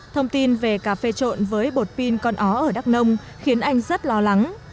thông tin về cà phê trộn với bột pin con ó ở đắk nông khiến anh rất lo lắng